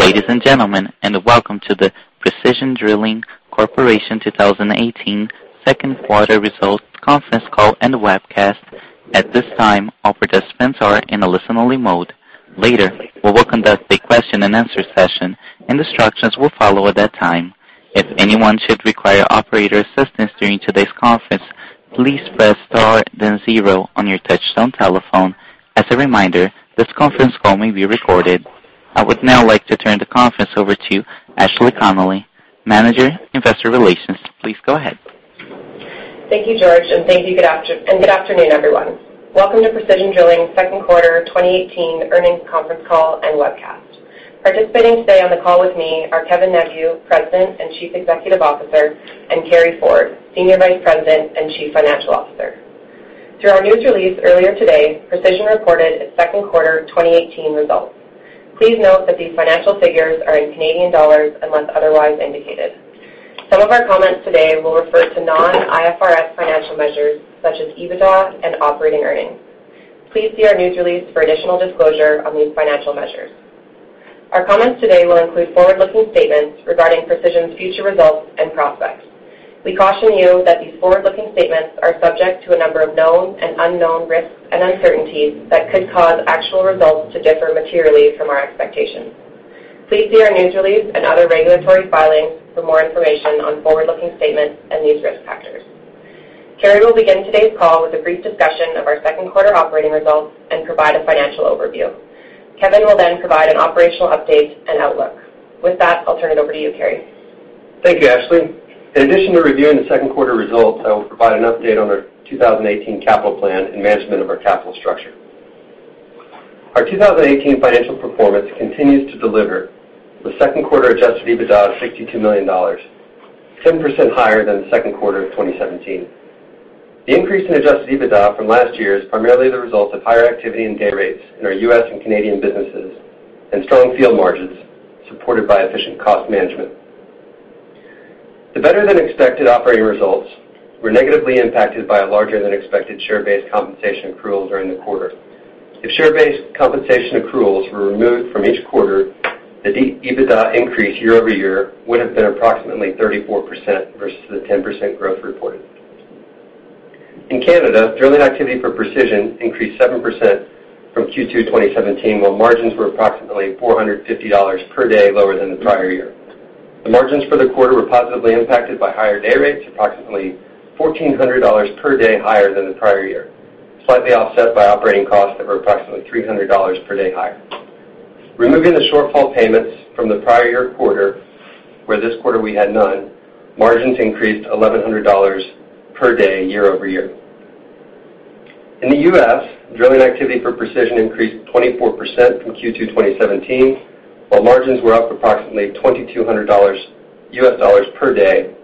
Good day, ladies and gentlemen, and welcome to the Precision Drilling Corporation 2018 second quarter results conference call and webcast. At this time, all participants are in a listen-only mode. Later, we will conduct a question and answer session, and instructions will follow at that time. If anyone should require operator assistance during today's conference, please press star then zero on your touchtone telephone. As a reminder, this conference call may be recorded. I would now like to turn the conference over to Ashley Connolly, Manager of Investor Relations. Please go ahead. Thank you, George, and good afternoon, everyone. Welcome to Precision Drilling's second quarter 2018 earnings conference call and webcast. Participating today on the call with me are Kevin Neveu, President and Chief Executive Officer, and Carey Ford, Senior Vice President and Chief Financial Officer. Through our news release earlier today, Precision reported its second quarter 2018 results. Please note that these financial figures are in Canadian dollars unless otherwise indicated. Some of our comments today will refer to non-IFRS financial measures such as EBITDA and operating earnings. Please see our news release for additional disclosure on these financial measures. Our comments today will include forward-looking statements regarding Precision's future results and prospects. We caution you that these forward-looking statements are subject to a number of known and unknown risks and uncertainties that could cause actual results to differ materially from our expectations. Please see our news release and other regulatory filings for more information on forward-looking statements and these risk factors. Carey will begin today's call with a brief discussion of our second quarter operating results and provide a financial overview. Kevin will then provide an operational update and outlook. With that, I'll turn it over to you, Carey. Thank you, Ashley. In addition to reviewing the second quarter results, I will provide an update on our 2018 capital plan and management of our capital structure. Our 2018 financial performance continues to deliver, with second quarter adjusted EBITDA of 62 million dollars, 7% higher than the second quarter of 2017. The increase in adjusted EBITDA from last year is primarily the result of higher activity and day rates in our U.S. and Canadian businesses and strong field margins supported by efficient cost management. The better-than-expected operating results were negatively impacted by a larger-than-expected share-based compensation accrual during the quarter. If share-based compensation accruals were removed from each quarter, the EBITDA increase year-over-year would have been approximately 34% versus the 10% growth reported. In Canada, drilling activity for Precision increased 7% from Q2 2017, while margins were approximately 450 dollars per day lower than the prior year. The margins for the quarter were positively impacted by higher day rates, approximately 1,400 dollars per day higher than the prior year, slightly offset by operating costs that were approximately 300 dollars per day higher. Removing the shortfall payments from the prior year quarter, where this quarter we had none, margins increased 1,100 dollars per day year-over-year. In the U.S., drilling activity for Precision increased 24% from Q2 2017, while margins were up approximately $2,200 per day,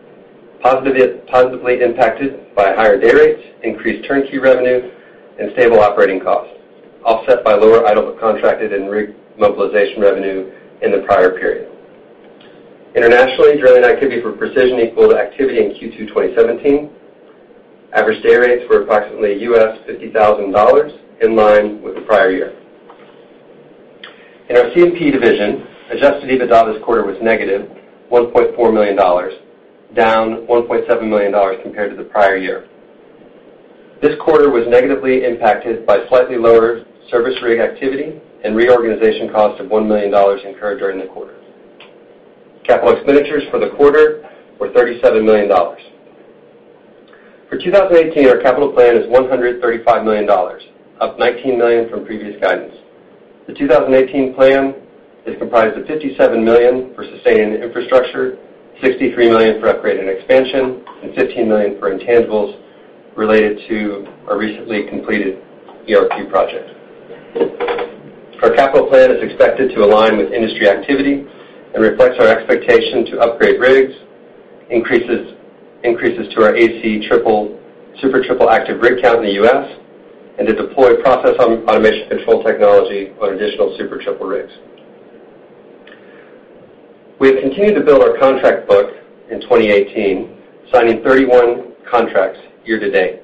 positively impacted by higher day rates, increased turnkey revenue, and stable operating costs, offset by lower idle contracted and rig mobilization revenue in the prior period. Internationally, drilling activity for Precision equaled activity in Q2 2017. Average day rates were approximately $50,000, in line with the prior year. In our CMP division, adjusted EBITDA this quarter was negative 1.4 million dollars, down 1.7 million dollars compared to the prior year. This quarter was negatively impacted by slightly lower service rig activity and reorganization costs of 1 million dollars incurred during the quarter. Capital expenditures for the quarter were 37 million dollars. For 2018, our capital plan is 135 million dollars, up 19 million from previous guidance. The 2018 plan is comprised of 57 million for sustaining infrastructure, 63 million for upgrade and expansion, and 15 million for intangibles related to our recently completed ERP project. Our capital plan is expected to align with industry activity and reflects our expectation to upgrade rigs, increases to our AC Super Triple active rig count in the U.S., and to deploy Process Automation Control technology on additional Super Triple rigs. We have continued to build our contract book in 2018, signing 31 contracts year to date.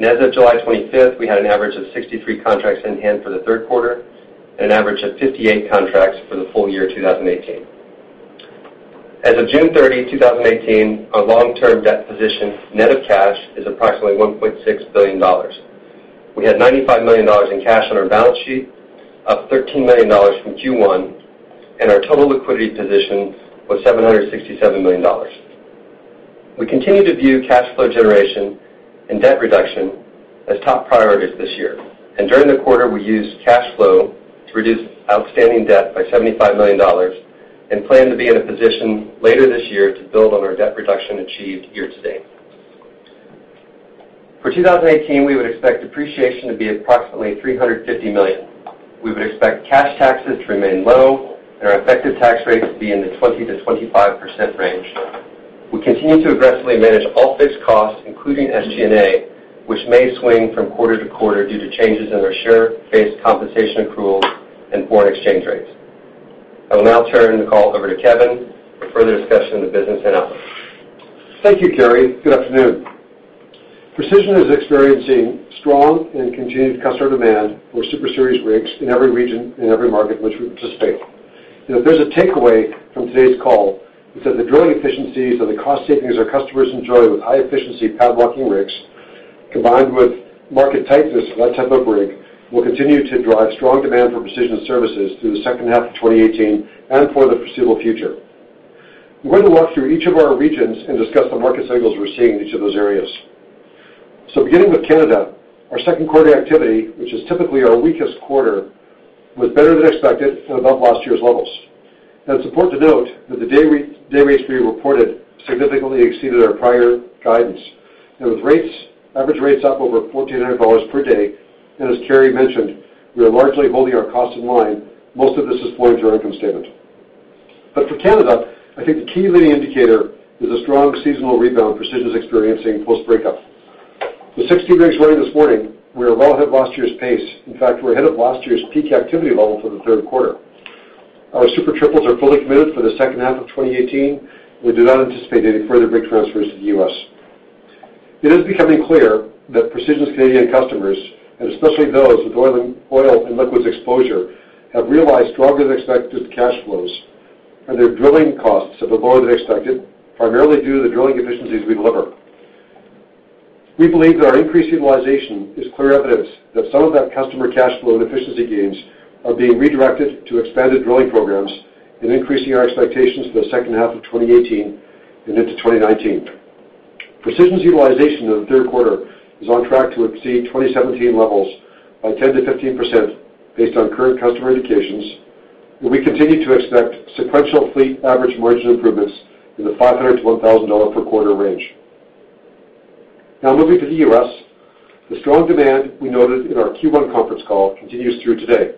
As of July 25th, we had an average of 63 contracts in hand for the third quarter and an average of 58 contracts for the full year 2018. As of June 30, 2018, our long-term debt position net of cash is approximately 1.6 billion dollars. We had 95 million dollars in cash on our balance sheet, up 13 million dollars from Q1, and our total liquidity position was 767 million dollars. We continue to view cash flow generation and debt reduction as top priorities this year. During the quarter, we used cash flow to reduce outstanding debt by 75 million dollars and plan to be in a position later this year to build on our debt reduction achieved year to date. For 2018, we would expect depreciation to be approximately 350 million. We would expect cash taxes to remain low and our effective tax rate to be in the 20%-25% range. We continue to aggressively manage all fixed costs, including SG&A, which may swing from quarter to quarter due to changes in our share-based compensation accrual and foreign exchange rates. I will now turn the call over to Kevin for further discussion of the business and outlook. Thank you, Carey. Good afternoon Precision is experiencing strong and continued customer demand for Super Series rigs in every region, in every market in which we participate. If there's a takeaway from today's call, it's that the drilling efficiencies and the cost savings our customers enjoy with high-efficiency pad walking rigs, combined with market tightness for that type of rig, will continue to drive strong demand for Precision services through the second half of 2018 and for the foreseeable future. I'm going to walk through each of our regions and discuss the market signals we're seeing in each of those areas. Beginning with Canada, our second quarter activity, which is typically our weakest quarter, was better than expected and above last year's levels. It's important to note that the day rates we reported significantly exceeded our prior guidance. With average rates up over 1,400 dollars per day, and as Carey mentioned, we are largely holding our costs in line, most of this is flowing to our income statement. For Canada, I think the key leading indicator is a strong seasonal rebound Precision is experiencing post-breakup. With 60 rigs running this morning, we are well ahead of last year's pace. In fact, we're ahead of last year's peak activity level for the third quarter. Our Super Triples are fully committed for the second half of 2018. We do not anticipate any further rig transfers to the U.S. It is becoming clear that Precision's Canadian customers, and especially those with oil and liquids exposure, have realized stronger than expected cash flows and their drilling costs are lower than expected, primarily due to the drilling efficiencies we deliver. We believe that our increased utilization is clear evidence that some of that customer cash flow and efficiency gains are being redirected to expanded drilling programs and increasing our expectations for the second half of 2018 and into 2019. Precision's utilization in the third quarter is on track to exceed 2017 levels by 10%-15% based on current customer indications, and we continue to expect sequential fleet average margin improvements in the 500-1,000 dollar per quarter range. Moving to the U.S., the strong demand we noted in our Q1 conference call continues through today.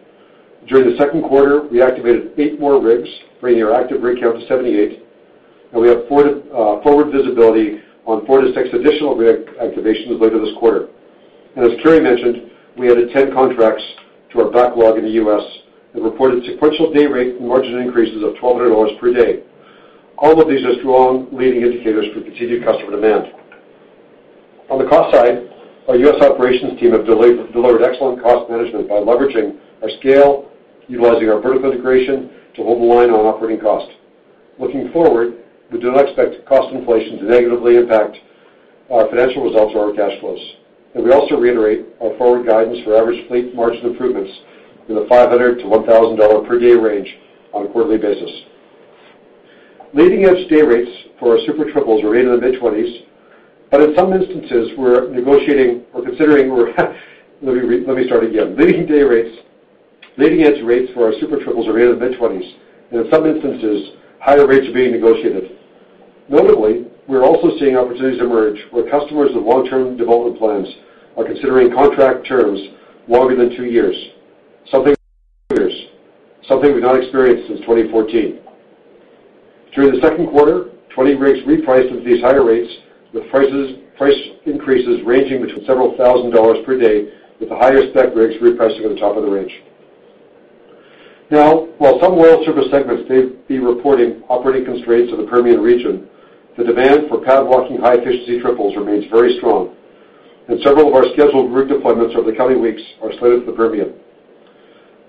During the second quarter, we activated eight more rigs, bringing our active rig count to 78, and we have forward visibility on four to six additional rig activations later this quarter. As Carey mentioned, we added 10 contracts to our backlog in the U.S. and reported sequential day rate margin increases of 1,200 dollars per day. All of these are strong leading indicators for continued customer demand. On the cost side, our U.S. operations team have delivered excellent cost management by leveraging our scale, utilizing our vertical integration to hold the line on operating cost. Looking forward, we do not expect cost inflation to negatively impact our financial results or our cash flows. We also reiterate our forward guidance for average fleet margin improvements in the 500-1,000 dollar per day range on a quarterly basis. Leading edge rates for our Super Triples are in the mid-20s, and in some instances, higher rates are being negotiated. Notably, we're also seeing opportunities emerge where customers with long-term development plans are considering contract terms longer than two years, something we've not experienced since 2014. During the second quarter, 20 rigs repriced at these higher rates, with price increases ranging between several thousand CAD per day, with the higher-spec rigs repricing at the top of the range. While some well service segments may be reporting operating constraints in the Permian region, the demand for pad walking high-efficiency triples remains very strong, and several of our scheduled rig deployments over the coming weeks are slated for the Permian.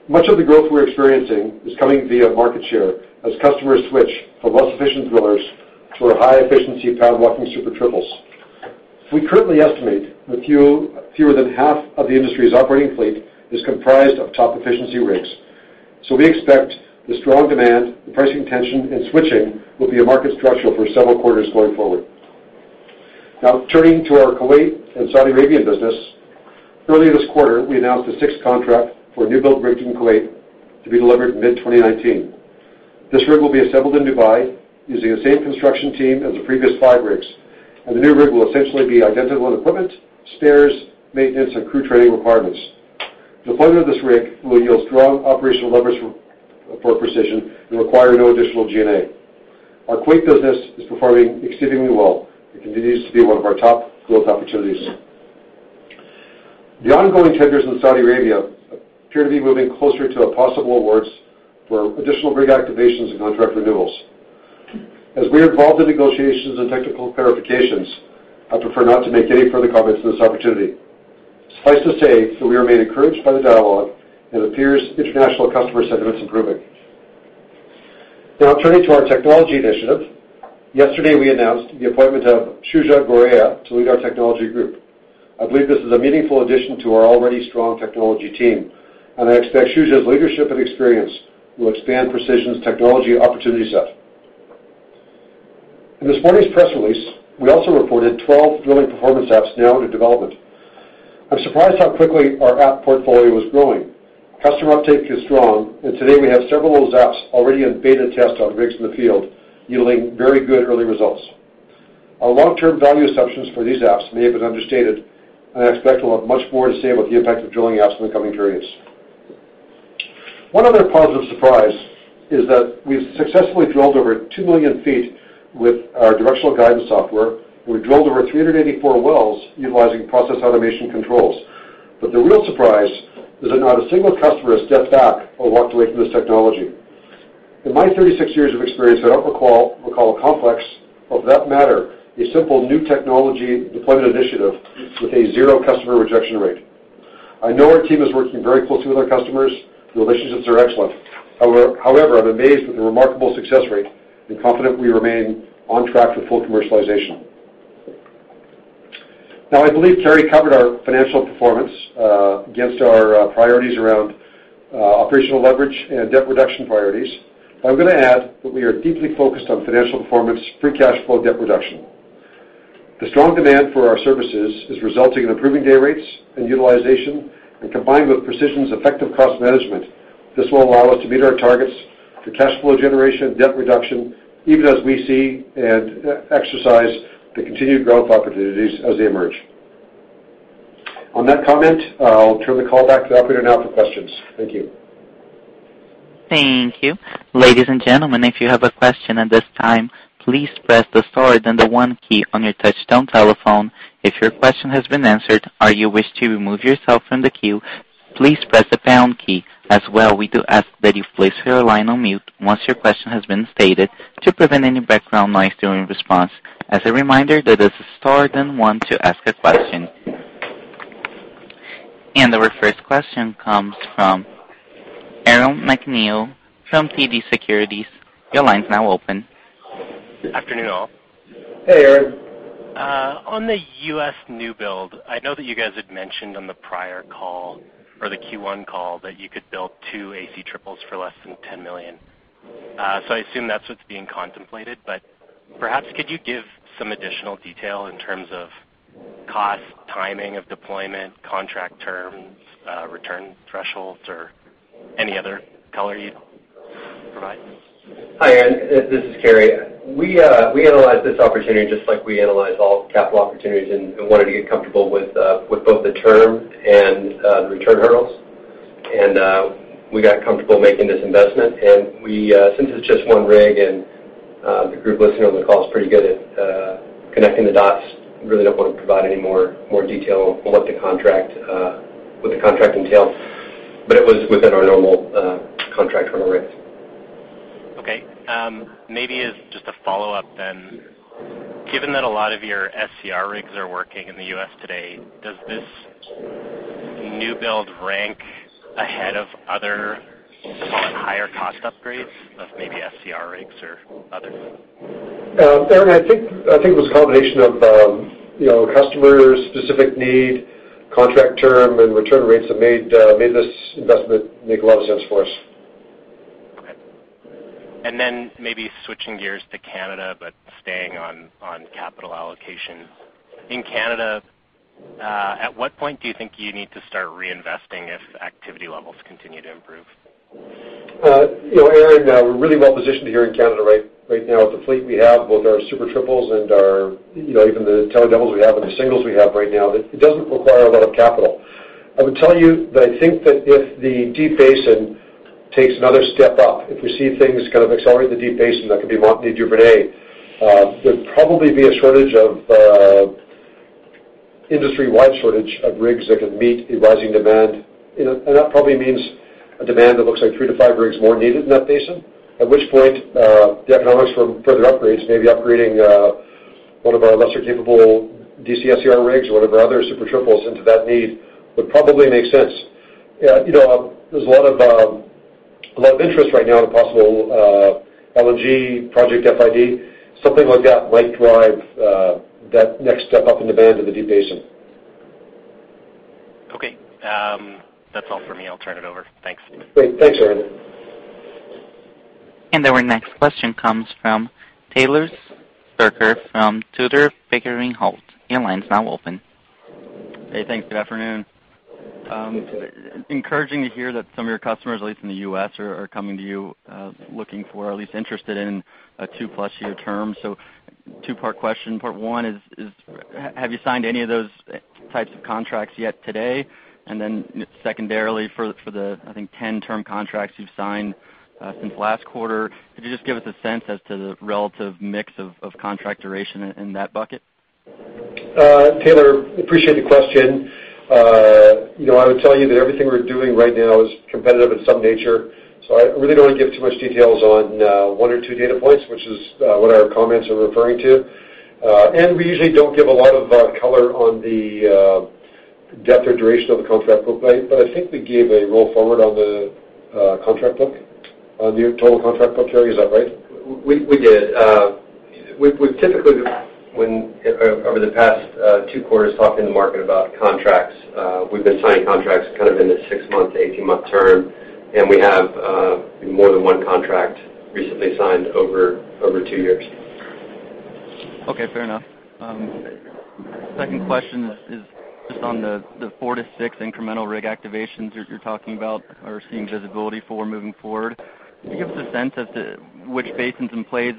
Much of the growth we're experiencing is coming via market share as customers switch from less efficient drillers to our high-efficiency pad walking Super Triples. We currently estimate that fewer than half of the industry's operating fleet is comprised of top efficiency rigs. We expect the strong demand, the pricing tension, and switching will be a market structural for several quarters going forward. Turning to our Kuwait and Saudi Arabian business. Earlier this quarter, we announced a sixth contract for a new build rig in Kuwait to be delivered mid-2019. This rig will be assembled in Dubai using the same construction team as the previous five rigs, and the new rig will essentially be identical in equipment, spares, maintenance, and crew training requirements. Deployment of this rig will yield strong operational leverage for Precision and require no additional G&A. Our Kuwait business is performing exceedingly well and continues to be one of our top growth opportunities. The ongoing tenders in Saudi Arabia appear to be moving closer to possible awards for additional rig activations and contract renewals. As we are involved in negotiations and technical clarifications, I prefer not to make any further comments on this opportunity. Suffice to say that we remain encouraged by the dialogue, and it appears international customer sentiment is improving. Turning to our technology initiative. Yesterday, we announced the appointment of Shuja Goraya to lead our technology group. I believe this is a meaningful addition to our already strong technology team, and I expect Shuja's leadership and experience will expand Precision's technology opportunity set. In this morning's press release, we also reported 12 drilling performance apps now in development. I'm surprised how quickly our app portfolio is growing. Customer uptake is strong, and today we have several of those apps already in beta test on rigs in the field, yielding very good early results. Our long-term value assumptions for these apps may have been understated, and I expect we'll have much more to say about the impact of drilling apps in the coming periods. One other positive surprise is that we've successfully drilled over 2 million feet with our directional guidance software. We drilled over 384 wells utilizing Process Automation Control. The real surprise is that not a single customer has stepped back or walked away from this technology. In my 36 years of experience, I don't recall a complex, or for that matter, a simple new technology deployment initiative with a zero customer rejection rate. I know our team is working very closely with our customers. The relationships are excellent. However, I'm amazed with the remarkable success rate and confident we remain on track for full commercialization. Now, I believe Carey covered our financial performance against our priorities around operational leverage and debt reduction priorities. I'm going to add that we are deeply focused on financial performance, free cash flow, debt reduction. The strong demand for our services is resulting in improving day rates and utilization, and combined with Precision's effective cost management, this will allow us to meet our targets for cash flow generation, debt reduction, even as we see and exercise the continued growth opportunities as they emerge. On that comment, I'll turn the call back to the operator now for questions. Thank you. Thank you. Ladies and gentlemen, if you have a question at this time, please press the star, then the one key on your touch-tone telephone. If your question has been answered or you wish to remove yourself from the queue, please press the pound key. As well, we do ask that you place your line on mute once your question has been stated to prevent any background noise during response. As a reminder, that is star, then one to ask a question. Our first question comes from Aaron MacNeil from TD Securities. Your line's now open. Afternoon, all. Hey, Aaron. On the U.S. new build, I know that you guys had mentioned on the prior call or the Q1 call that you could build two AC triples for less than 10 million. I assume that's what's being contemplated, but perhaps could you give some additional detail in terms of cost, timing of deployment, contract terms, return thresholds, or any other color you'd provide? Hi, Aaron. This is Carey. We analyzed this opportunity just like we analyze all capital opportunities and wanted to get comfortable with both the term and the return hurdles. We got comfortable making this investment. Since it's just one rig and the group listening on the call is pretty good at connecting the dots, we really don't want to provide any more detail on what the contract entails, but it was within our normal contract hurdle rates. Okay. Maybe as just a follow-up, given that a lot of your SCR rigs are working in the U.S. today, does this new build rank ahead of other, we'll call it higher cost upgrades of maybe SCR rigs or others? Aaron, I think it was a combination of customer's specific need, contract term, and return rates that made this investment make a lot of sense for us. Okay. Then maybe switching gears to Canada, but staying on capital allocation. In Canada, at what point do you think you need to start reinvesting if activity levels continue to improve? Aaron, we're really well-positioned here in Canada right now with the fleet we have, both our Super Triples and even the twin doubles we have and the singles we have right now, that it doesn't require a lot of capital. I would tell you that I think that if the deep basin takes another step up, if we see things kind of accelerate in the deep basin, that could be Montney/Duvernay, there'd probably be an industry-wide shortage of rigs that can meet the rising demand. That probably means a demand that looks like three to five rigs more needed in that basin. At which point, the economics for further upgrades, maybe upgrading one of our lesser capable DC SCR rigs or one of our other Super Triples into that need would probably make sense. There's a lot of interest right now in a possible LNG project FID. Something like that might drive that next step up in demand in the deep basin. Okay. That's all for me. I'll turn it over. Thanks. Great. Thanks, Aaron. Our next question comes from Taylor Kirker from Tudor, Pickering Holt. Your line's now open. Hey, thanks. Good afternoon. Encouraging to hear that some of your customers, at least in the U.S., are coming to you looking for, or at least interested in a two-plus year term. Two-part question. Part one is, have you signed any of those types of contracts yet today? Secondarily, for the, I think, 10 term contracts you've signed since last quarter, could you just give us a sense as to the relative mix of contract duration in that bucket? Taylor, appreciate the question. I would tell you that everything we're doing right now is competitive in some nature, so I really don't want to give too much details on one or two data points, which is what our comments are referring to. We usually don't give a lot of color on the depth or duration of the contract book, but I think we gave a roll forward on the contract book, on the total contract book, Carey, is that right? We did. We've typically, over the past two quarters, talked in the market about contracts. We've been signing contracts kind of in the six-month to 18-month term, and we have more than one contract recently signed over two years. Okay, fair enough. Second question is just on the four to six incremental rig activations you're talking about or seeing visibility for moving forward. Can you give us a sense as to which basins and plays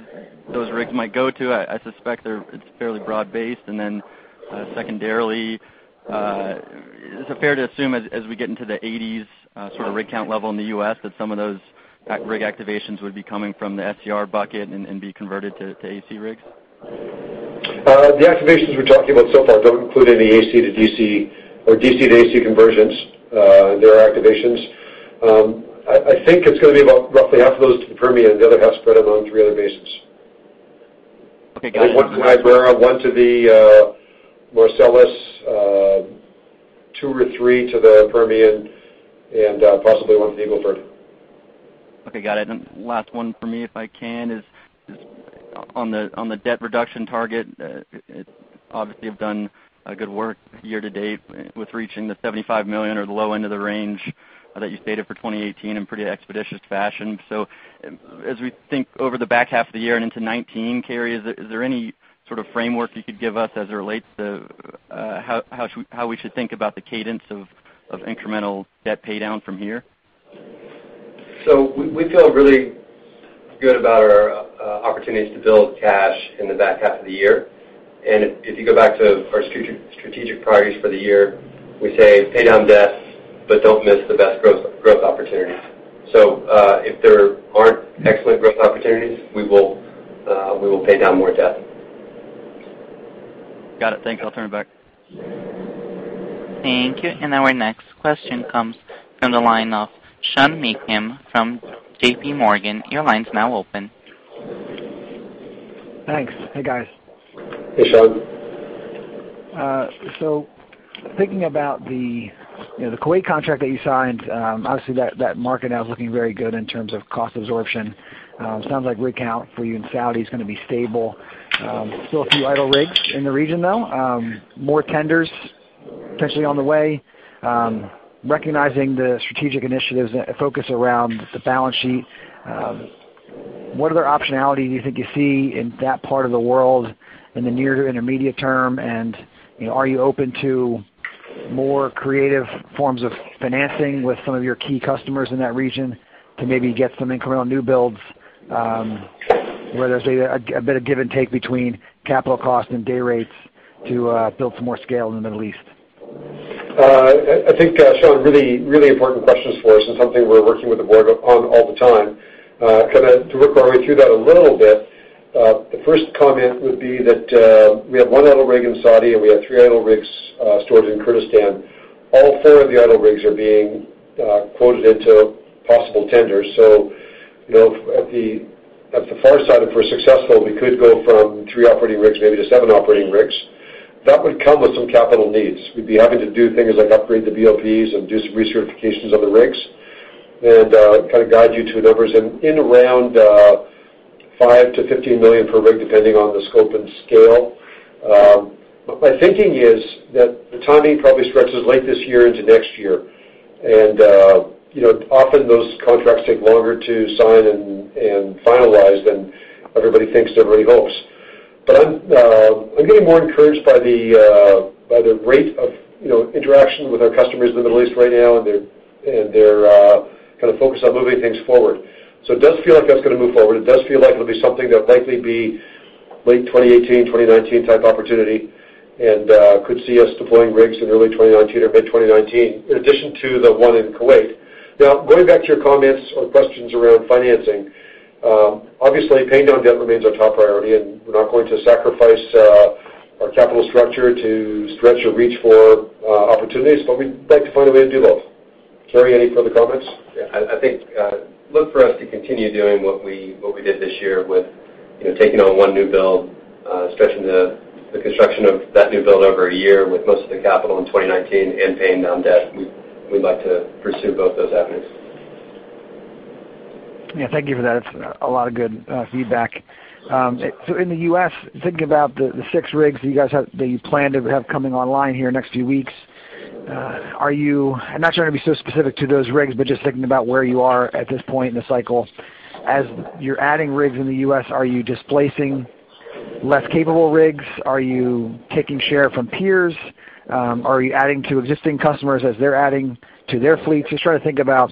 those rigs might go to? I suspect it's fairly broad-based. Then secondarily, is it fair to assume as we get into the 80s sort of rig count level in the U.S., that some of those rig activations would be coming from the SCR bucket and be converted to AC rigs? The activations we're talking about so far don't include any AC to DC or DC to AC conversions. There are activations. I think it's going to be about roughly half of those to the Permian, the other half spread among three other basins. Okay, got it. One to Niobrara, one to the Marcellus, two or three to the Permian, possibly one to Eagle Ford. Okay, got it. Last one from me, if I can, is on the debt reduction target. Obviously, you've done good work year-to-date with reaching the 75 million or the low end of the range that you stated for 2018 in pretty expeditious fashion. As we think over the back half of the year and into 2019, Carey, is there any sort of framework you could give us as it relates to how we should think about the cadence of incremental debt paydown from here? We feel really good about our opportunities to build cash in the back half of the year. If you go back to our strategic priorities for the year, we say pay down debt, don't miss the best growth opportunities. If there aren't excellent growth opportunities, we will pay down more debt. Got it. Thank you. I'll turn it back. Thank you. Our next question comes from the line of Sean Meacham from J.P. Morgan. Your line's now open. Thanks. Hey, guys. Hey, Sean. Thinking about the Kuwait contract that you signed, obviously that market now is looking very good in terms of cost absorption. Sounds like rig count for you in Saudi is gonna be stable. Still a few idle rigs in the region, though. More tenders potentially on the way. Recognizing the strategic initiatives that focus around the balance sheet, what other optionality do you think you see in that part of the world in the near to intermediate term? Are you open to more creative forms of financing with some of your key customers in that region to maybe get some incremental new builds, where there's a bit of give and take between capital cost and day rates to build some more scale in the Middle East? I think, Sean, really important questions for us and something we're working with the board on all the time. To work our way through that a little bit, the first comment would be that we have one idle rig in Saudi, and we have three idle rigs stored in Kurdistan. All four of the idle rigs are being quoted into possible tenders. At the far side, if we're successful, we could go from three operating rigs maybe to seven operating rigs. That would come with some capital needs. We'd be having to do things like upgrade the BOPs and do some recertifications of the rigs and kind of guide you to the numbers in around 5 million-15 million per rig, depending on the scope and scale. My thinking is that the timing probably stretches late this year into next year, often those contracts take longer to sign and finalize than everybody thinks, everybody hopes. I'm getting more encouraged by the rate of interaction with our customers in the Middle East right now and their kind of focus on moving things forward. It does feel like that's gonna move forward. It does feel like it'll be something that'll likely be late 2018, 2019 type opportunity, and could see us deploying rigs in early 2019 or mid-2019, in addition to the one in Kuwait. Going back to your comments or questions around financing. Obviously, paying down debt remains our top priority, and we're not going to sacrifice our capital structure to stretch or reach for opportunities, but we'd like to find a way to do both. Carey, any further comments? I think, look for us to continue doing what we did this year with taking on one new build, stretching the construction of that new build over a year with most of the capital in 2019 and paying down debt. We'd like to pursue both those avenues. Thank you for that. It's a lot of good feedback. In the U.S., thinking about the 6 rigs that you plan to have coming online here in the next few weeks, I'm not trying to be so specific to those rigs, but just thinking about where you are at this point in the cycle. As you're adding rigs in the U.S., are you displacing less capable rigs? Are you taking share from peers? Are you adding to existing customers as they're adding to their fleets? Just trying to think about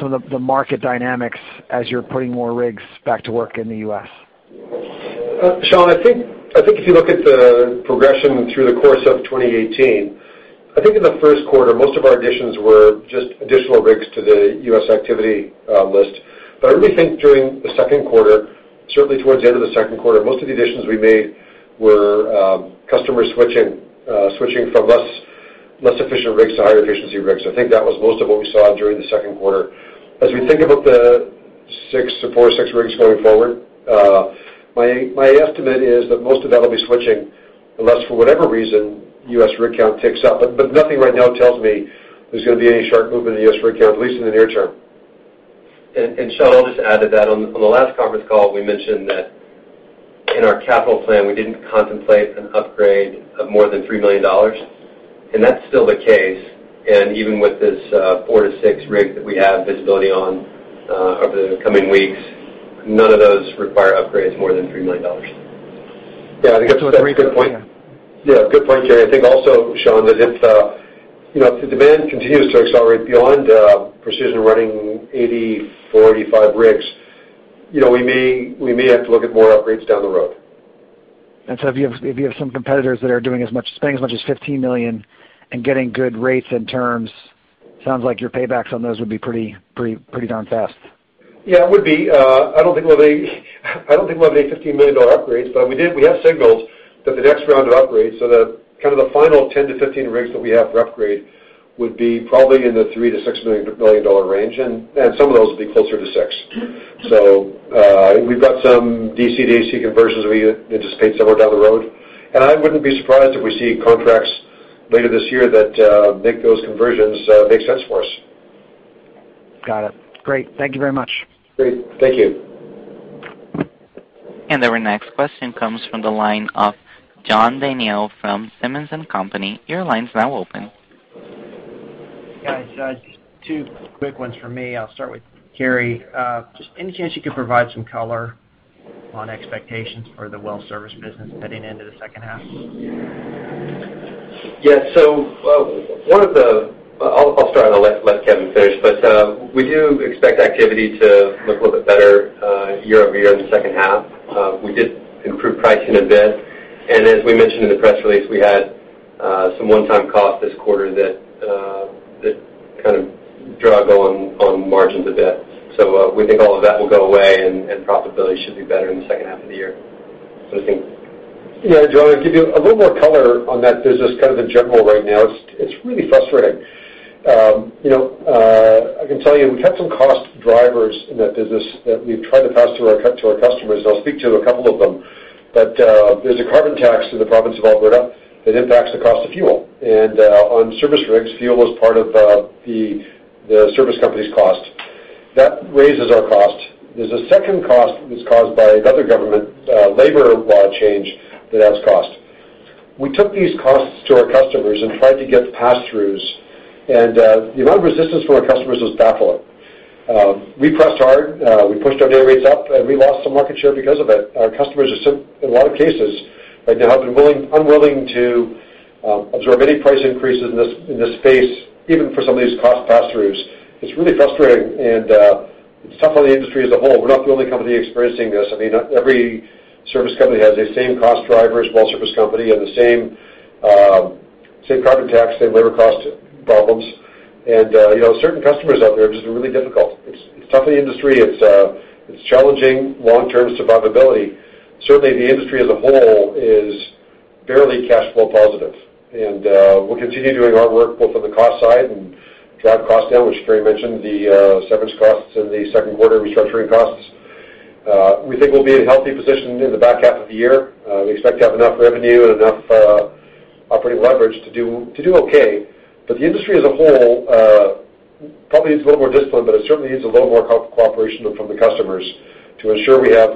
some of the market dynamics as you're putting more rigs back to work in the U.S. Sean, I think if you look at the progression through the course of 2018, I think in the first quarter, most of our additions were just additional rigs to the U.S. activity list. I really think during the second quarter, certainly towards the end of the second quarter, most of the additions we made were customers switching from less efficient rigs to higher efficiency rigs. I think that was most of what we saw during the second quarter. As we think about the 4, 6 rigs going forward, my estimate is that most of that will be switching unless, for whatever reason, U.S. rig count ticks up. Nothing right now tells me there's gonna be any sharp movement in U.S. rig count, at least in the near term. Sean, I'll just add to that. On the last conference call, we mentioned that in our capital plan, we didn't contemplate an upgrade of more than $3 million, and that's still the case. Even with this 4 to 6 rigs that we have visibility on over the coming weeks, none of those require upgrades more than $3 million. I think that's a great point. It's a three- Yeah, good point, Carey. I think also, Sean, that if the demand continues to accelerate beyond Precision running 84, 85 rigs, we may have to look at more upgrades down the road. If you have some competitors that are doing as much, spending as much as 15 million and getting good rates and terms Sounds like your paybacks on those would be pretty darn fast. Yeah, it would be. I don't think we'll have any 15 million dollar upgrades, but we have signals that the next round of upgrades, so the final 10-15 rigs that we have for upgrade, would be probably in the 3 million-6 million dollar range, and some of those will be closer to six. We've got some DC/DC conversions we anticipate somewhere down the road, and I wouldn't be surprised if we see contracts later this year that make those conversions make sense for us. Got it. Great. Thank you very much. Great. Thank you. Our next question comes from the line of John Daniel from Simmons & Company. Your line's now open. Guys, just two quick ones for me. I'll start with Carey. Just any chance you could provide some color on expectations for the well service business heading into the second half? Yeah. I'll start, I'll let Kevin finish. We do expect activity to look a little bit better year-over-year in the second half. We did improve pricing a bit, and as we mentioned in the press release, we had some one-time cost this quarter that kind of drag on margins a bit. We think all of that will go away, and profitability should be better in the second half of the year. What do you think? Yeah, John, to give you a little more color on that business, kind of in general right now, it's really frustrating. I can tell you, we've had some cost drivers in that business that we've tried to pass through to our customers, I'll speak to a couple of them. There's a carbon tax in the province of Alberta that impacts the cost of fuel. On service rigs, fuel is part of the service company's cost. That raises our cost. There's a second cost that's caused by another government labor law change that adds cost. We took these costs to our customers and tried to get pass-throughs, the amount of resistance from our customers was baffling. We pressed hard, we pushed our day rates up, we lost some market share because of it. Our customers just in a lot of cases right now have been unwilling to absorb any price increases in this space, even for some of these cost pass-throughs. It's really frustrating, it's tough on the industry as a whole. We're not the only company experiencing this. Every service company has the same cost drivers, well service company, the same carbon tax, same labor cost problems. Certain customers out there are just really difficult. It's tough on the industry. It's challenging long-term survivability. Certainly, the industry as a whole is barely cash flow positive. We'll continue doing our work both on the cost side and drive costs down, which Carey mentioned, the severance costs in the second quarter, restructuring costs. We think we'll be in a healthy position in the back half of the year. We expect to have enough revenue and enough operating leverage to do okay. The industry as a whole probably needs a little more discipline, but it certainly needs a little more cooperation from the customers to ensure we have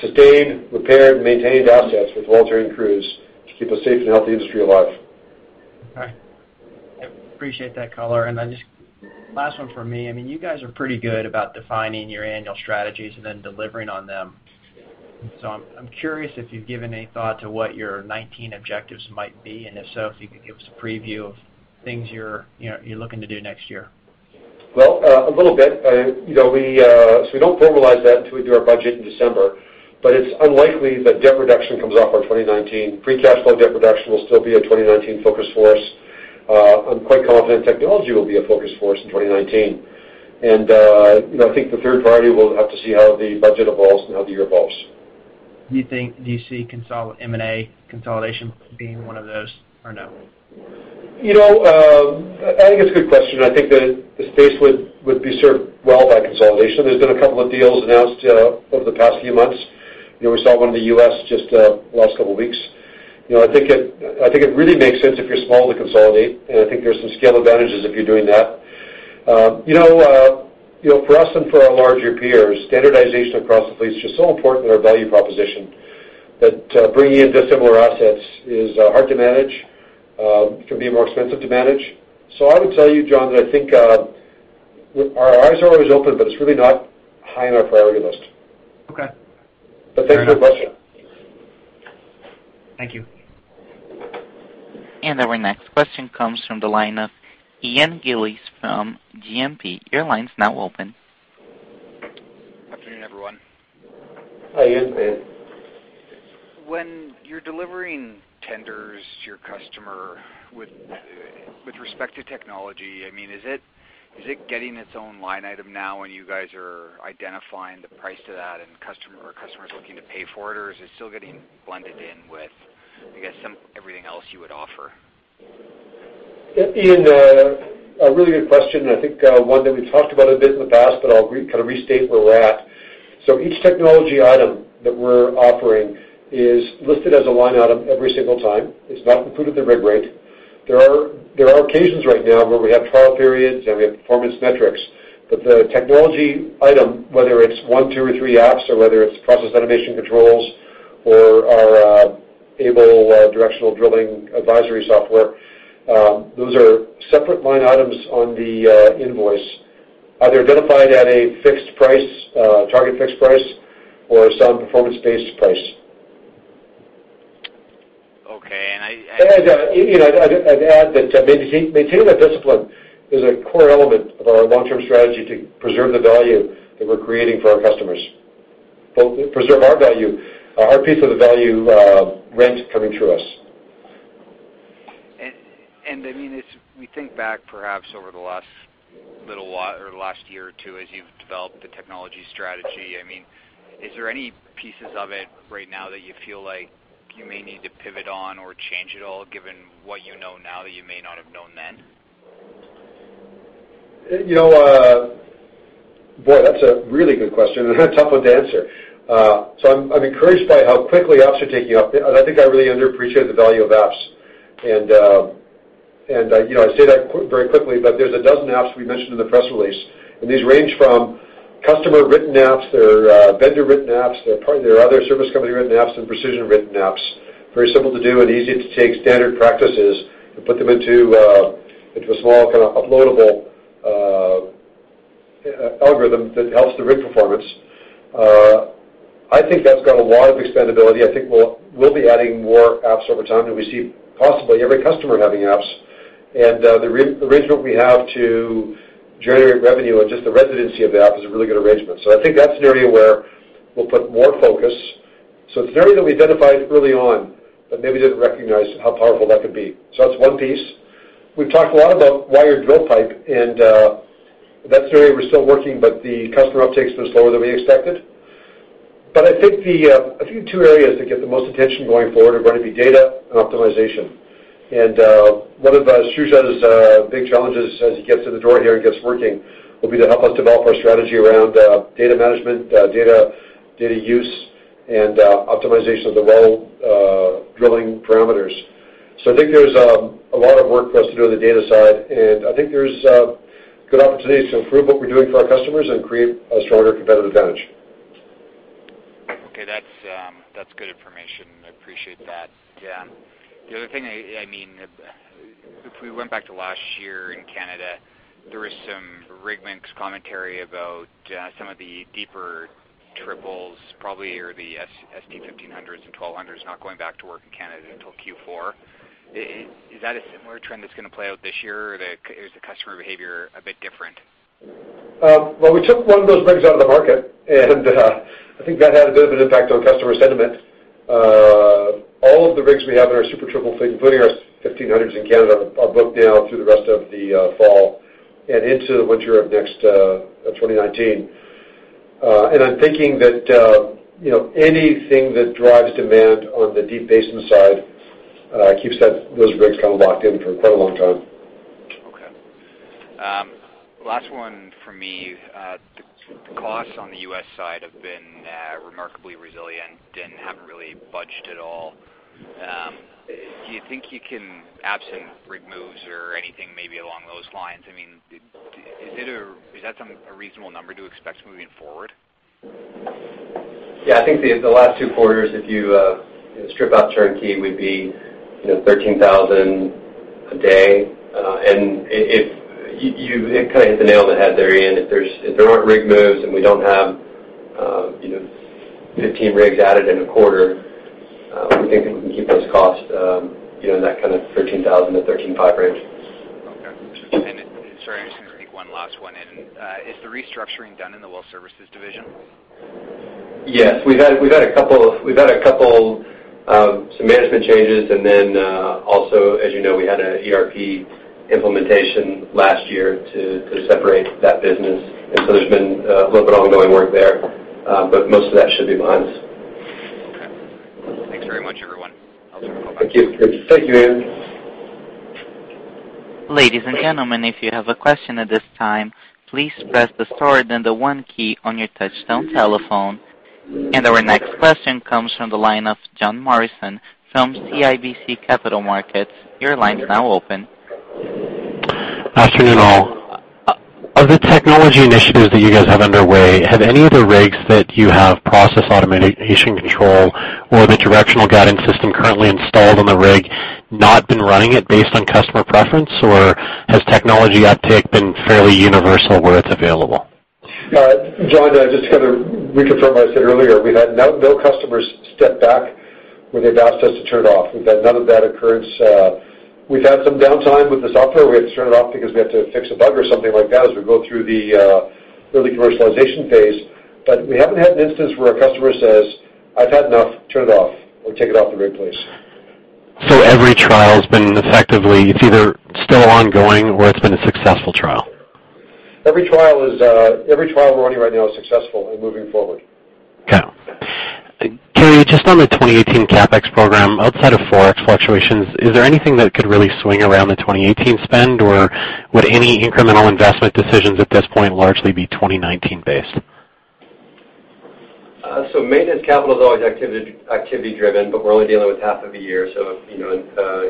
sustained, repaired, maintained assets with volunteering crews to keep a safe and healthy industry alive. All right. I appreciate that color. Just last one from me. You guys are pretty good about defining your annual strategies and then delivering on them. I'm curious if you've given any thought to what your 2019 objectives might be, and if so, if you could give us a preview of things you're looking to do next year. Well, a little bit. We don't formalize that until we do our budget in December, but it's unlikely that debt reduction comes off our 2019. Free cash flow debt reduction will still be a 2019 focus for us. I'm quite confident technology will be a focus for us in 2019. I think the third priority, we'll have to see how the budget evolves and how the year evolves. Do you see M&A consolidation being one of those or no? I think it's a good question. I think the space would be served well by consolidation. There's been a couple of deals announced over the past few months. We saw one in the U.S. just last couple of weeks. I think it really makes sense if you're small to consolidate, and I think there's some scale advantages if you're doing that. For us and for our larger peers, standardization across the fleet is just so important to our value proposition that bringing in dissimilar assets is hard to manage, can be more expensive to manage. I would tell you, John, that I think our eyes are always open, but it's really not high on our priority list. Okay. Fair enough. Thanks for the question. Thank you. Our next question comes from the line of Ian Gillies from GMP. Your line's now open. Good afternoon, everyone. Hi, Ian. When you're delivering tenders to your customer with respect to technology, is it getting its own line item now when you guys are identifying the price to that and are customers looking to pay for it, or is it still getting blended in with, I guess, everything else you would offer? Ian, a really good question, and I think one that we've talked about a bit in the past, I'll kind of restate where we're at. Each technology item that we're offering is listed as a line item every single time. It's not included in the rig rate. There are occasions right now where we have trial periods and we have performance metrics. The technology item, whether it's one, two, or three Apps, or whether it's Process Automation Control or our ABEL directional drilling advisory software, those are separate line items on the invoice, either identified at a target fixed price or some performance-based price. Okay. Ian, I'd add that maintaining that discipline is a core element of our long-term strategy to preserve the value that we're creating for our customers. We'll preserve our value, our piece of the value rent coming to us. We think back perhaps over the last year or two as you've developed the technology strategy, is there any pieces of it right now that you feel like you may need to pivot on or change at all, given what you know now that you may not have known then? Boy, that's a really good question and a tough one to answer. I'm encouraged by how quickly apps are taking off. I think I really underappreciated the value of apps. I say that very quickly, but there's 12 apps we mentioned in the press release, and these range from customer-written apps, they're vendor-written apps, they're other service company-written apps, and Precision-written apps. Very simple to do and easy to take standard practices and put them into a small kind of uploadable algorithm that helps the rig performance. I think that's got a lot of expandability. I think we'll be adding more apps over time, and we see possibly every customer having apps. The arrangement we have to generate revenue on just the residency of the app is a really good arrangement. I think that's an area where we'll put more focus. It's an area that we identified early on, but maybe didn't recognize how powerful that could be. That's one piece. We've talked a lot about Wired Drill Pipe, and that's an area we're still working, but the customer uptake's been slower than we expected. I think the two areas that get the most attention going forward are going to be data and optimization. One of Shuja's big challenges as he gets in the door here and gets working will be to help us develop our strategy around data management, data use, and optimization of the well drilling parameters. I think there's a lot of work for us to do on the data side, and I think there's good opportunities to improve what we're doing for our customers and create a stronger competitive advantage. Okay. That's good information. I appreciate that. Yeah. The other thing, if we went back to last year in Canada, there was some rig mix commentary about some of the deeper Super Triples, probably, or the ST-1500s and ST-1200 not going back to work in Canada until Q4. Is that a similar trend that's going to play out this year, or is the customer behavior a bit different? Well, we took one of those rigs out of the market, and I think that had a bit of an impact on customer sentiment. All of the rigs we have in our Super Triple fleet, including our 1500s in Canada, are booked now through the rest of the fall and into the winter of 2019. I'm thinking that anything that drives demand on the deep basin side keeps those rigs kind of locked in for quite a long time. Okay. Last one from me. The costs on the U.S. side have been remarkably resilient, didn't have really budged at all. Do you think you can absent rig moves or anything maybe along those lines, is that a reasonable number to expect moving forward? Yeah. I think the last two quarters, if you strip out turnkey, would be 13,000 a day. You kind of hit the nail on the head there, Ian. If there aren't rig moves and we don't have 15 rigs added in a quarter, we think we can keep those costs, in that kind of 13,000-13,500 range. Okay. Sorry, I'm just going to sneak one last one in. Is the restructuring done in the well services division? Yes. We've had some management changes, then also, as you know, we had an ERP implementation last year to separate that business. There's been a little bit ongoing work there. Most of that should be behind us. Okay. Thanks very much, everyone. I'll turn the call back. Thank you. Thank you. Thank you, Ian. Ladies and gentlemen, if you have a question at this time, please press the star, then the one key on your touchtone telephone. Our next question comes from the line of John Morrison from CIBC Capital Markets. Your line is now open. Afternoon, all. Of the technology initiatives that you guys have underway, have any of the rigs that you have Process Automation Control or the directional guidance system currently installed on the rig not been running it based on customer preference? Or has technology uptake been fairly universal where it's available? John, I just got to reconfirm what I said earlier. We've had no customers step back where they've asked us to turn it off. We've had none of that occurrence. We've had some downtime with the software. We had to turn it off because we had to fix a bug or something like that as we go through the early commercialization phase. We haven't had an instance where a customer says, "I've had enough, turn it off, or take it off the rig, please. Every trial has been effectively, it's either still ongoing or it's been a successful trial. Every trial we are running right now is successful and moving forward. Okay. Carey, just on the 2018 CapEx program, outside of ForEx fluctuations, is there anything that could really swing around the 2018 spend, or would any incremental investment decisions at this point largely be 2019 based? Maintenance capital is always activity-driven, but we are only dealing with half of a year,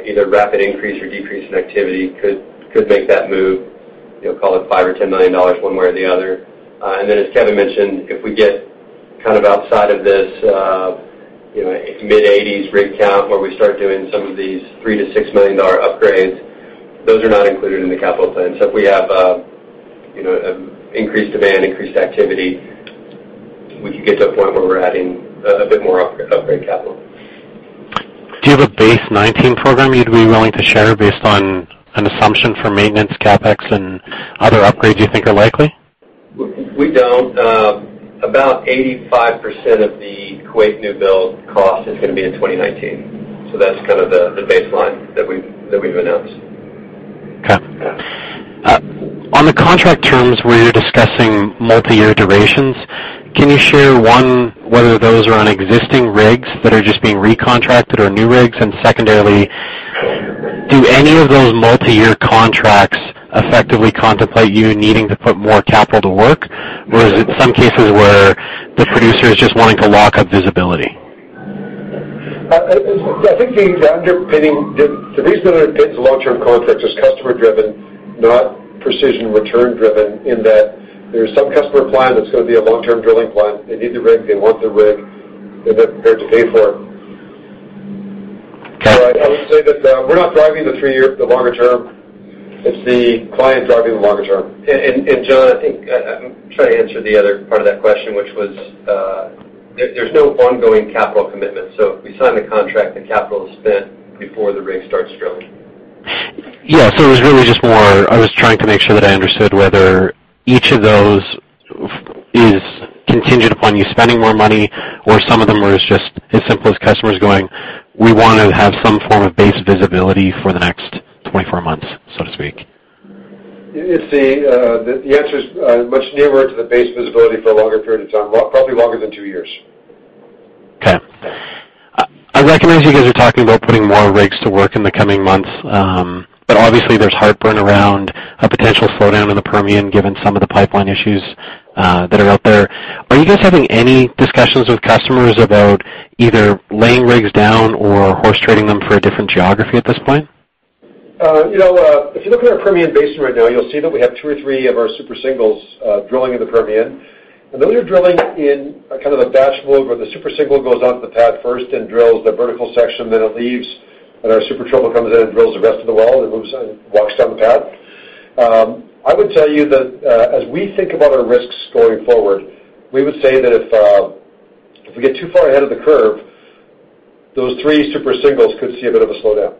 either rapid increase or decrease in activity could make that move, call it 5 million or 10 million dollars one way or the other. As Kevin mentioned, if we get kind of outside of this mid-80s rig count where we start doing some of these 3 million-6 million dollar upgrades, those are not included in the capital plan. If we have increased demand, increased activity, we could get to a point where we are adding a bit more upgrade capital. Do you have a base 2019 program you would be willing to share based on an assumption for maintenance CapEx and other upgrades you think are likely? We don't. About 85% of the Kuwait new build cost is going to be in 2019. That's the baseline that we've announced. Okay. Yeah. On the contract terms where you're discussing multi-year durations, can you share, one, whether those are on existing rigs that are just being recontracted or new rigs? Secondarily, do any of those multi-year contracts effectively contemplate you needing to put more capital to work? Is it some cases where the producer is just wanting to lock up visibility? I think the reason that it pins long-term contracts is customer driven, not Precision Drilling return driven, in that there's some customer plan that's going to be a long-term drilling plan. They need the rig, they want the rig, and they're prepared to pay for it. I would say that we're not driving the three-year, the longer term. It's the client driving the longer term. John, I think I'm trying to answer the other part of that question, which was, there's no ongoing capital commitment. If we sign the contract, the capital is spent before the rig starts drilling. Yeah. It was really just more, I was trying to make sure that I understood whether each of those is contingent upon you spending more money or some of them are as just as simple as customers going, "We want to have some form of base visibility for the next 24 months," so to speak. The answer's much nearer to the base visibility for a longer period of time, probably longer than two years. Okay. I recognize you guys are talking about putting more rigs to work in the coming months. Obviously there's heartburn around a potential slowdown in the Permian given some of the pipeline issues that are out there. Are you guys having any discussions with customers about either laying rigs down or horse trading them for a different geography at this point? If you look at our Permian Basin right now, you'll see that we have two or three of our Super Singles drilling in the Permian. Those are drilling in a kind of a batch mode where the Super Single goes onto the pad first and drills the vertical section, then it leaves, and our Super Triple comes in and drills the rest of the well, and it moves and walks down the pad. I would tell you that as we think about our risks going forward, we would say that if we get too far ahead of the curve, those three Super Singles could see a bit of a slowdown.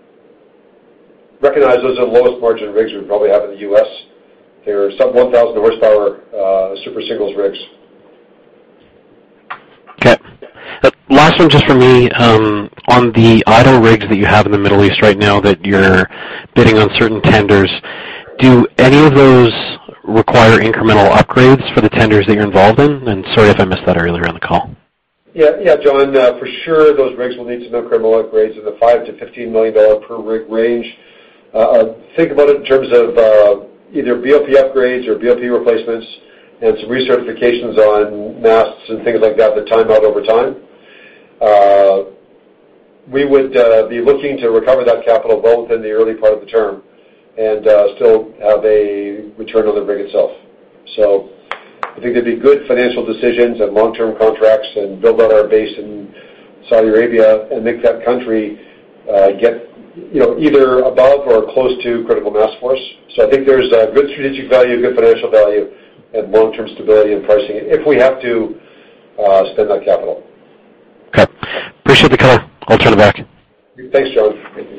Recognize those are the lowest margin rigs we probably have in the U.S. They are sub-1,000 horsepower Super Singles rigs. Okay. Last one just from me. On the idle rigs that you have in the Middle East right now that you're bidding on certain tenders, do any of those require incremental upgrades for the tenders that you're involved in? Sorry if I missed that earlier on the call. Yeah, John. For sure, those rigs will need some incremental upgrades in the 5 million to 15 million dollar per rig range. Think about it in terms of either BOP upgrades or BOP replacements and some recertifications on masts and things like that time out over time. We would be looking to recover that capital both in the early part of the term and still have a return on the rig itself. I think they'd be good financial decisions and long-term contracts and build out our base in Saudi Arabia and make that country get either above or close to critical mass for us. I think there's good strategic value, good financial value and long-term stability in pricing if we have to spend that capital. Okay. Appreciate the color. I'll turn it back. Thanks, John. Thank you.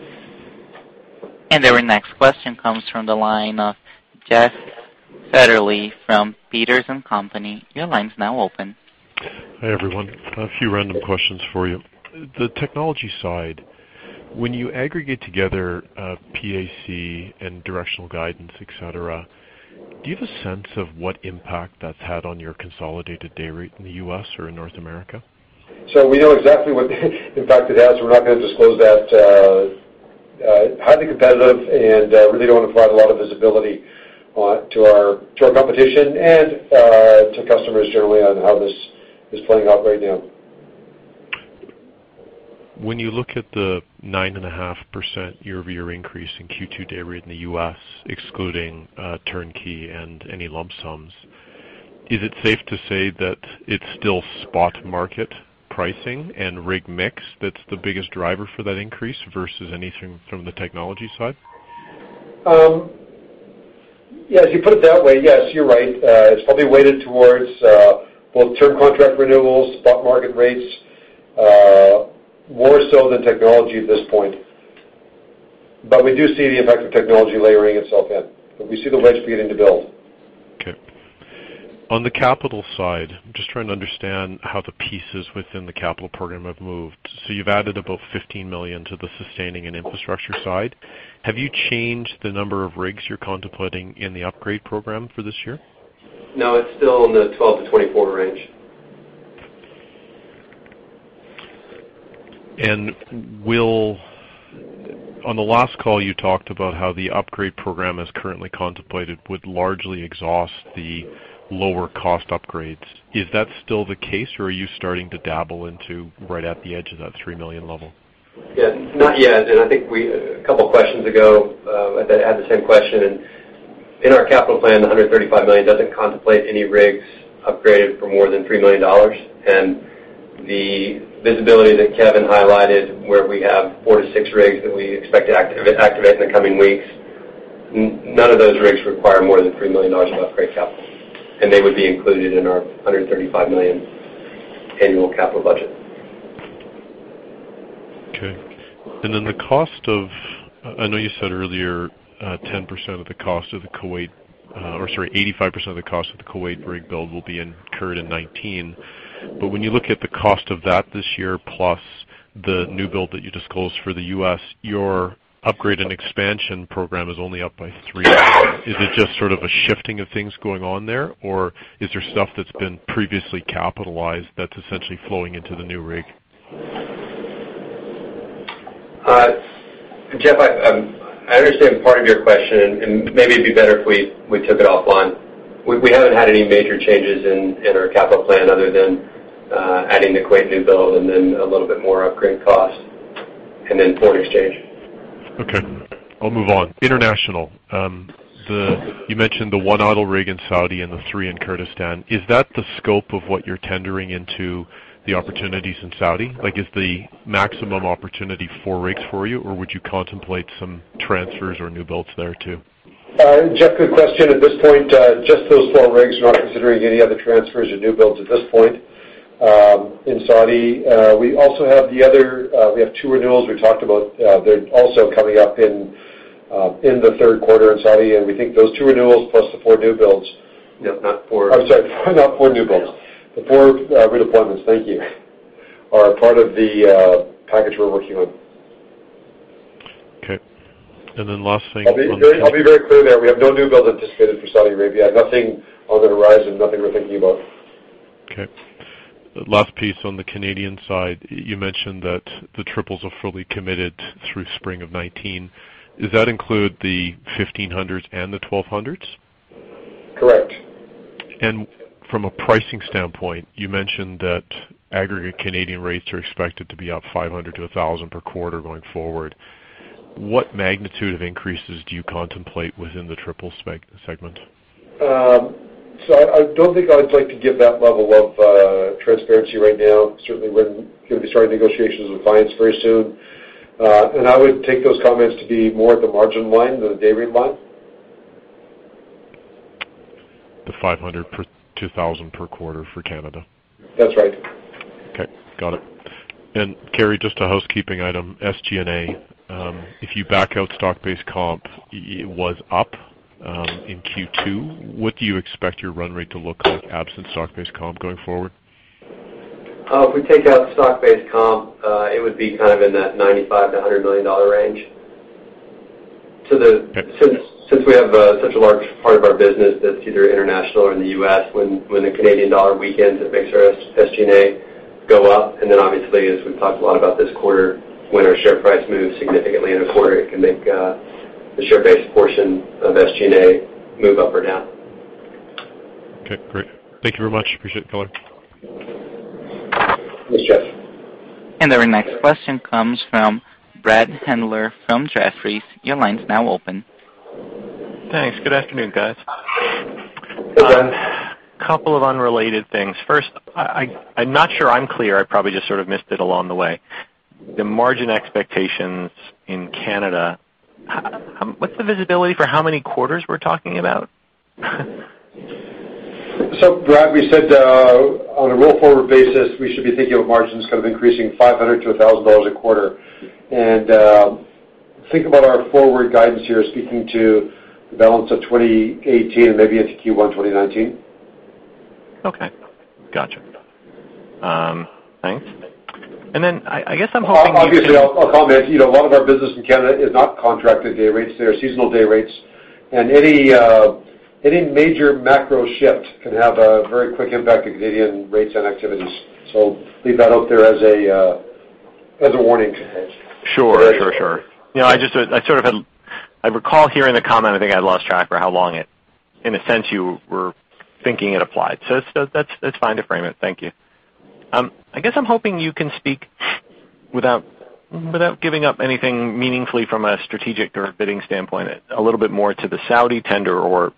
Our next question comes from the line of Jeff Satterlee from Peters & Co. Your line's now open. Hi, everyone. A few random questions for you. The technology side, when you aggregate together PAC and directional guidance, et cetera, do you have a sense of what impact that's had on your consolidated day rate in the U.S. or in North America? We know exactly what impact it has. We're not gonna disclose that. Highly competitive and really don't want to provide a lot of visibility to our competition and to customers generally on how this is playing out right now. When you look at the 9.5% year-over-year increase in Q2 day rate in the U.S. excluding turnkey and any lump sums, is it safe to say that it's still spot market pricing and rig mix that's the biggest driver for that increase versus anything from the technology side? Yeah, if you put it that way, yes, you're right. It's probably weighted towards both term contract renewals, spot market rates, more so than technology at this point. We do see the effect of technology layering itself in, but we see the rates beginning to build. Okay. On the capital side, I'm just trying to understand how the pieces within the capital program have moved. You've added about 15 million to the sustaining and infrastructure side. Have you changed the number of rigs you're contemplating in the upgrade program for this year? No, it's still in the 12 to 24 range. On the last call, you talked about how the upgrade program as currently contemplated would largely exhaust the lower cost upgrades. Is that still the case, or are you starting to dabble into right at the edge of that 3 million level? Yeah, not yet. I think a couple of questions ago that had the same question. In our capital plan, the 135 million doesn't contemplate any rigs upgraded for more than 3 million dollars. The visibility that Kevin highlighted where we have four to six rigs that we expect to activate in the coming weeks. None of those rigs require more than 3 million dollars of upgrade capital, and they would be included in our 135 million annual capital budget. Okay. The cost of, I know you said earlier 10% of the cost of the Kuwait or sorry, 85% of the cost of the Kuwait rig build will be incurred in 2019. When you look at the cost of that this year plus the new build that you disclosed for the U.S., your upgrade and expansion program is only up by three. Is it just sort of a shifting of things going on there, or is there stuff that's been previously capitalized that's essentially flowing into the new rig? Jeff, I understand part of your question, and maybe it'd be better if we took it offline. We haven't had any major changes in our capital plan other than adding the Kuwait new build and then a little bit more upgrade cost and then ForEx. Okay. I'll move on. International. You mentioned the one idle rig in Saudi and the three in Kurdistan. Is that the scope of what you're tendering into the opportunities in Saudi? Like, is the maximum opportunity four rigs for you, or would you contemplate some transfers or new builds there, too? Jeff, good question. At this point, just those four rigs. We are not considering any other transfers or new builds at this point in Saudi. We also have two renewals we talked about. They are also coming up in the third quarter in Saudi, and we think those two renewals plus the four new builds- No, not four. I am sorry, not four new builds. The four redeployments, thank you, are part of the package we are working on. Okay. Last thing on- I'll be very clear there. We have no new builds anticipated for Saudi Arabia. Nothing on the horizon, nothing we're thinking about. Okay. Last piece on the Canadian side, you mentioned that the triples are fully committed through spring of 2019. Does that include the 1500s and the ST-1200? Correct. From a pricing standpoint, you mentioned that aggregate Canadian rates are expected to be up 500-1,000 per quarter going forward. What magnitude of increases do you contemplate within the triple segment? I don't think I'd like to give that level of transparency right now, certainly when gonna be starting negotiations with clients very soon. I would take those comments to be more at the margin line than the day rate line. The 500-1,000 per quarter for Canada. That's right. Okay, got it. Carey, just a housekeeping item, SG&A. If you back out stock-based comp, it was up in Q2. What do you expect your run rate to look like absent stock-based comp going forward? If we take out stock-based comp, it would be kind of in that 95 million-100 million dollar range. Since we have such a large part of our business that's either international or in the U.S., when the Canadian dollar weakens, it makes our SG&A go up. Then obviously, as we've talked a lot about this quarter, when our share price moves significantly in a quarter, it can make the share-based portion of SG&A move up or down. Okay, great. Thank you very much. Appreciate the color. Thanks, Jeff. Our next question comes from Brad Handler from Jefferies. Your line's now open. Thanks. Good afternoon, guys. Good afternoon. Couple of unrelated things. First, I'm not sure I'm clear, I probably just sort of missed it along the way. The margin expectations in Canada, what's the visibility for how many quarters we're talking about? Brad, we said on a roll-forward basis, we should be thinking of margins kind of increasing 500 to 1,000 dollars a quarter. Think about our forward guidance here as speaking to the balance of 2018 and maybe into Q1 2019. Okay. Gotcha. Thanks. I'll comment. A lot of our business in Canada is not contracted day rates, they are seasonal day rates. Any major macro shift can have a very quick impact on Canadian rates and activities. Leave that out there as a warning. Sure. I recall hearing the comment. I think I lost track for how long it, in a sense, you were thinking it applied. That's fine to frame it. Thank you. I guess I'm hoping you can speak without giving up anything meaningfully from a strategic or a bidding standpoint, a little bit more to the Saudi tender or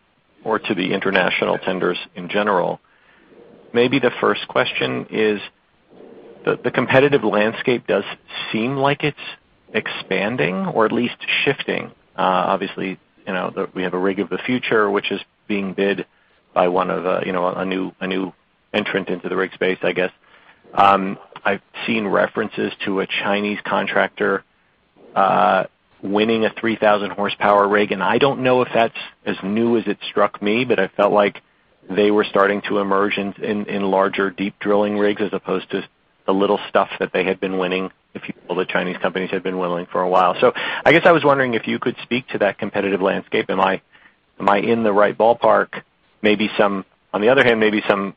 to the international tenders in general. Maybe the first question is, the competitive landscape does seem like it's expanding or at least shifting. Obviously, we have a rig of the future which is being bid by a new entrant into the rig space, I guess. I've seen references to a Chinese contractor winning a 3,000 horsepower rig, and I don't know if that's as new as it struck me, but I felt like they were starting to emerge in larger deep drilling rigs, as opposed to the little stuff that they had been winning, the Chinese companies had been winning for a while. I guess I was wondering if you could speak to that competitive landscape. Am I in the right ballpark? On the other hand, maybe some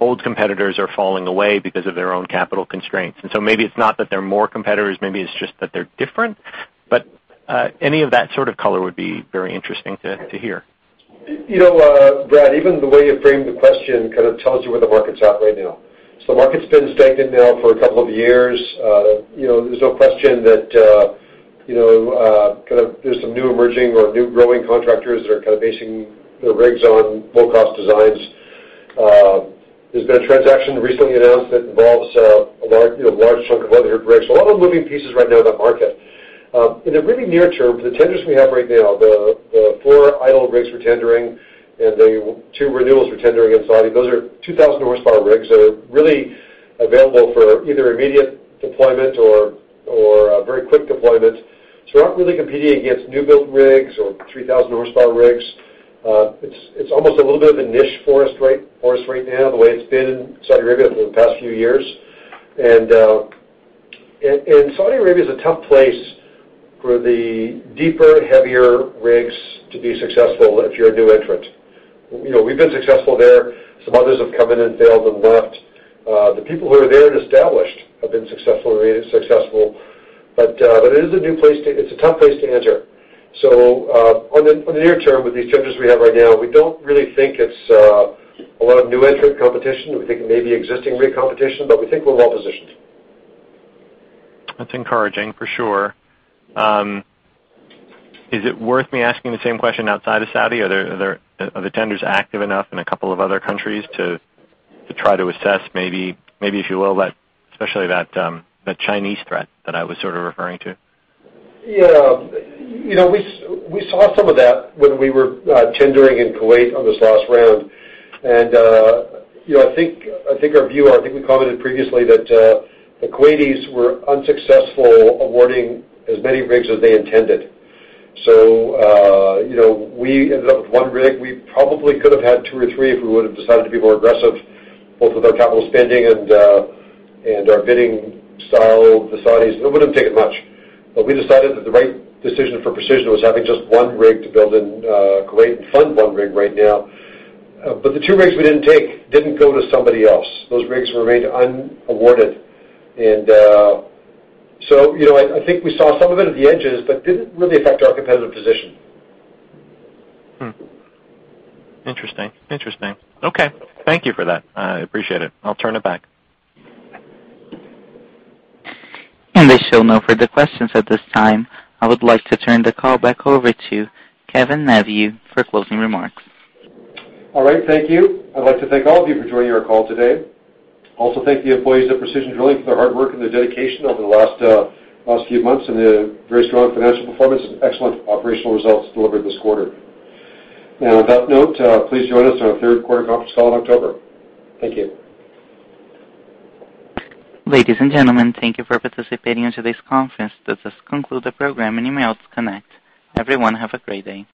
old competitors are falling away because of their own capital constraints. Maybe it's not that there are more competitors, maybe it's just that they're different. Any of that sort of color would be very interesting to hear. Brad, even the way you framed the question kind of tells you where the market's at right now. The market's been stagnant now for a couple of years. There's no question that there's some new emerging or new growing contractors that are kind of basing their rigs on low-cost designs. There's been a transaction recently announced that involves a large chunk of other rigs. A lot of moving pieces right now in that market. In the really near term, the tenders we have right now, the 4 idle rigs for tendering and the 2 renewals for tendering in Saudi, those are 2,000 horsepower rigs that are really available for either immediate deployment or very quick deployment. We're not really competing against new-built rigs or 3,000 horsepower rigs. It's almost a little bit of a niche for us right now, the way it's been in Saudi Arabia for the past few years. Saudi Arabia is a tough place for the deeper, heavier rigs to be successful if you're a new entrant. We've been successful there. Some others have come in and failed and left. The people who are there and established have been successful or remain successful. It is a tough place to enter. On the near term, with these tenders we have right now, we don't really think it's a lot of new entrant competition. We think it may be existing rig competition, but we think we're well-positioned. That's encouraging, for sure. Is it worth me asking the same question outside of Saudi? Are the tenders active enough in a couple of other countries to try to assess maybe, if you will, especially that Chinese threat that I was sort of referring to? We saw some of that when we were tendering in Kuwait on this last round. I think our view, I think we commented previously that the Kuwaitis were unsuccessful awarding as many rigs as they intended. We ended up with one rig. We probably could have had two or three if we would've decided to be more aggressive, both with our capital spending and our bidding style. The Saudis, it wouldn't have taken much. We decided that the right decision for Precision was having just one rig to build in Kuwait and fund one rig right now. The two rigs we didn't take didn't go to somebody else. Those rigs remained un-awarded. I think we saw some of it at the edges, but didn't really affect our competitive position. Interesting. Thank you for that. I appreciate it. I'll turn it back. There seem no further questions at this time. I would like to turn the call back over to Kevin Neveu for closing remarks. All right. Thank you. I'd like to thank all of you for joining our call today. Also thank the employees at Precision Drilling for their hard work and their dedication over the last few months and the very strong financial performance and excellent operational results delivered this quarter. With that note, please join us on our third quarter conference call in October. Thank you. Ladies and gentlemen, thank you for participating in today's conference. This does conclude the program. You may all disconnect. Everyone, have a great day.